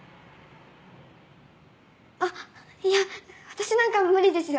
あっいや私なんか無理ですよね。